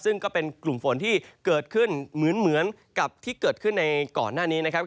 ซึ่งก็เป็นกลุ่มฝนที่เกิดขึ้นเหมือนกับที่เกิดขึ้นในก่อนหน้านี้นะครับ